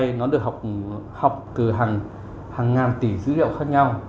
nó được học từ hàng ngàn tỷ dữ liệu khác nhau